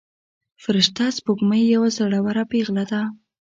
فرشته سپوږمۍ یوه زړوره پيغله ده.